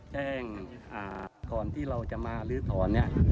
แจ้งก่อนที่เราจะมาลื้อถอนเนี่ย